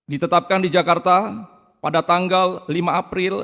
ditetapkan di jakarta pada tanggal lima april dua ribu dua puluh